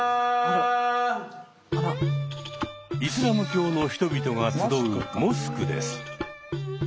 イスラム教の人々が集うモスクです。